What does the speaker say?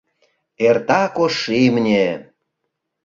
Эртак ош имне.